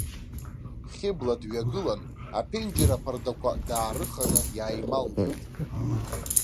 Хьыбла дҩагылан, аԥенџьыр аԥардақәа даарыханы иааималдеит.